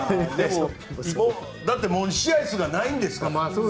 だって試合数がないですから。